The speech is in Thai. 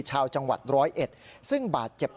ชาวจังหวัดร้อยเอ็ดซึ่งบาดเจ็บ